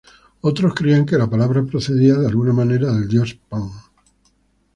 Otros creían que la palabra procedía de alguna manera del dios Pan.